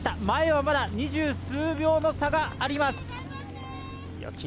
前はまだ二十数秒の差があります。